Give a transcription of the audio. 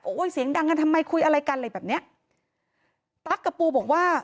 โอ้ยเสียงดังกันทำไมคุยอะไรกันอะไรแบบเนี้ยตั๊กกับปูบอกว่า